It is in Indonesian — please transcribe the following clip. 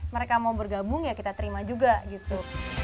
mereka mau bergabung ya kita terima juga gitu